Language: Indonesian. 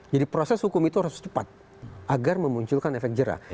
jadi proses hukum itu harus cepat agar memunculkan efek jerah